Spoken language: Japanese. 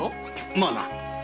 まあな。